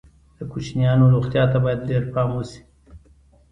د کوچنیانو روغتیا ته باید ډېر پام وشي.